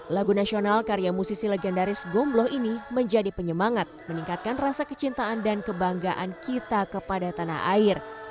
lagu nasional karya musisi legendaris gombloh ini menjadi penyemangat meningkatkan rasa kecintaan dan kebanggaan kita kepada tanah air